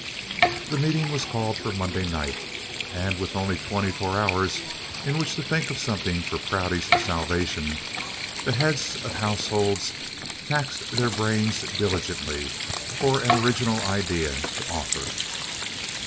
The meeting was called for Monday night, and with only twenty four hours in which to think of something for Prouty's salvation, the heads of households taxed their brains diligently for an original idea to offer.